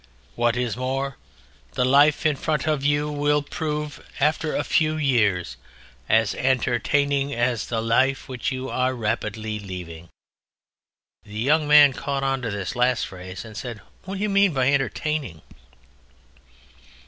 What is more, the life in front of you will prove, after a few years, as entertaining as the life which you are rapidly leaving." The Young Man caught on to this last phrase, and said, "What do you mean by 'entertaining'?"